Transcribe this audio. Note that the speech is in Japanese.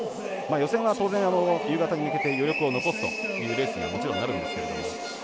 予選は当然、夕方に抜けて余力を残すというレースにはもちろん、なるんですけれども。